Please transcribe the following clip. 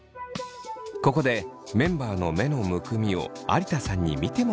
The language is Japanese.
ここでメンバーの目のむくみを有田さんに見てもらうことに。